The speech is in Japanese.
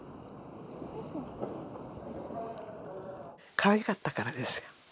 かわいかったからですよ。